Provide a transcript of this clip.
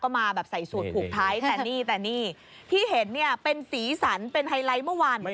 ก็มาแบบใส่สูตรถุกภักดิ์ไทส์แต่นี่ที่เห็นเนี่ยเป็นศีลศัลเป็นไฮไลท์เมื่อวาน